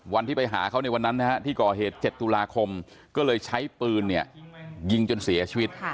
วันที่ไปหาเขาในวันนั้นที่ก่อเหตุ๗ตุลาคมก็เลยใช้ปืนยิงจนเสียชีวิต